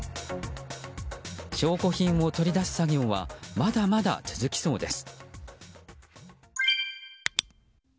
証拠品を取り出す作業はまだまだ続きそうです。